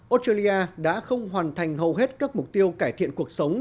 australia đã không hoàn thành hầu hết các mục tiêu cải thiện cuộc sống